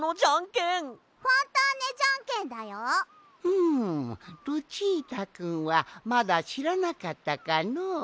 うむルチータくんはまだしらなかったかのう。